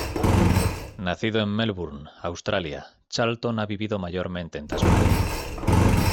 Nacido en Melbourne, Australia, Charlton ha vivido mayormente en Tasmania.